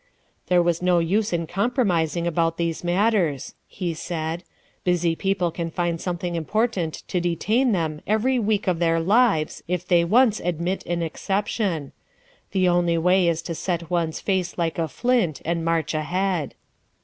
"There was no use in compromising about these matters," he said. "Busy people can find something important to detain them every week of their lives if they once admit an exception. The only way is to set one's face like a flint and march ahead."